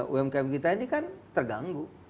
umkm kita ini kan terganggu